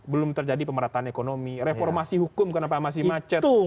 belum terjadi pemerataan ekonomi reformasi hukum kenapa masih macet